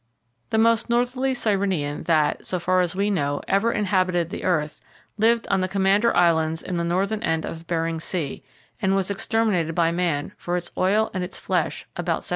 —The most northerly Sirenian that (so far as we know) ever inhabited the earth, lived on the Commander Islands in the northern end of Behring Sea, and was exterminated by man, for its oil and its flesh, about 1768.